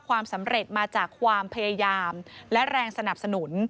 ความสำเร็จมาจากความพยายามและแรงสนับสนุน